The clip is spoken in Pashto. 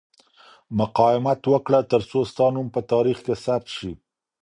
مقاومت وکړه ترڅو ستا نوم په تاریخ کې ثبت شي.